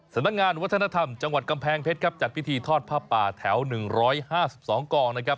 สำนักงานวัฒนธรรมจังหวัดกำแพงเพชรครับจัดพิธีทอดผ้าป่าแถว๑๕๒กองนะครับ